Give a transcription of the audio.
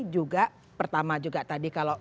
juga pertama juga tadi kalau